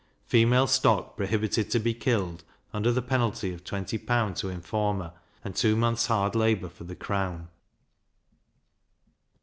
Female stock prohibited to be killed, under the penalty of 20L. to informer, and two months hard labour for the crown.